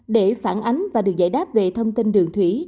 để phản ánh và được giải đáp về thông tin đường thủy